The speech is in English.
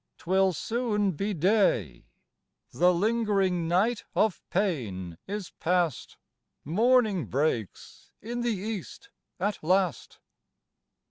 'twill soon be day;" The lingering night of pain is past, Morning breaks in the east at last.